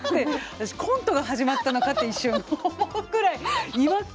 私コントが始まったのかって一瞬思うくらい違和感まだまだ。